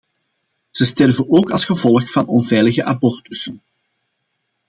Ze sterven ook als gevolg van onveilige abortussen.